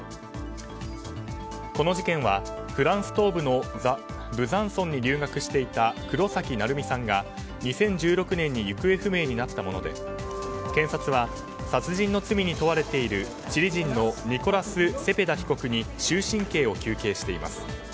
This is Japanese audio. この事件はフランス東部のブザンソンに留学していた黒崎愛海さんが２０１６年に行方不明になったもので検察は、殺人の罪に問われているチリ人のニコラス・セペダ被告に終身刑を求刑しています。